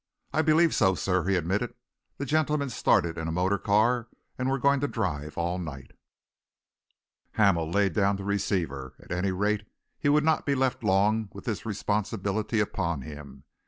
"I believe so, sir," he admitted. "The gentlemen started in a motor car and were going to drive all night." Hamel laid down the receiver. At any rate, he would not be left long with this responsibility upon him.